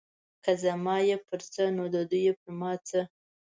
که زما یې پر څه نو د دوی پر ما څه.